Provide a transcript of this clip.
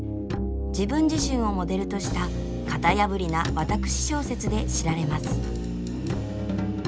自分自身をモデルとした型破りな私小説で知られます。